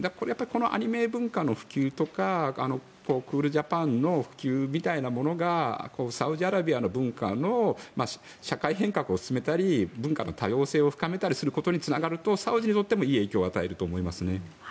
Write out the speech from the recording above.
このアニメ文化の普及とかクールジャパンの普及みたいなものがサウジアラビアの文化の社会変革を進めたり文化の多様性を深めたりすることにつながるとサウジにとってもいい影響を与えると思います。